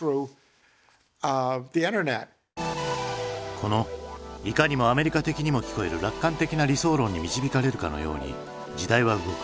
このいかにもアメリカ的にも聞こえる楽観的な理想論に導かれるかのように時代は動く。